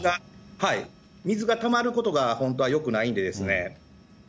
水がたまることが本当はよくないんですね。